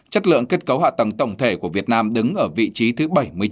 chất lượng kết cấu hạ tầng tổng thể của việt nam đứng ở vị trí thứ bảy mươi chín